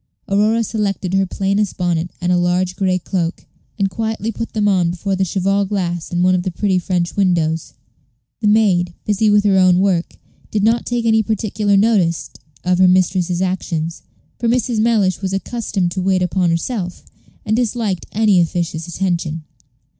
Aurora selected her plainest bonnet and a large gray cloak, and quietly put them on before the cheval glass in one of the pretty French windows. The maid, busy with her own work, did not take any particular notice of her mistress's actions; for Mrs. Mellish was accustomed to wait upon herself, and disliked any officious attention.